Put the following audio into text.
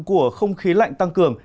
của không khí lạnh tăng cường